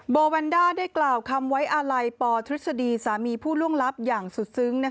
โบวันด้าได้กล่าวคำไว้อาลัยปธฤษฎีสามีผู้ล่วงลับอย่างสุดซึ้ง